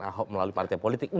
ahok melalui partai politik